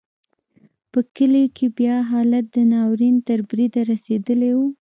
په کلیو کې بیا حالت د ناورین تر بریده رسېدلی و.